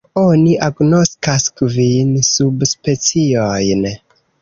Oni agnoskas kvin subspeciojn.